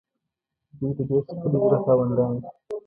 دوی د ډېر ښکلي زړه خاوندان دي.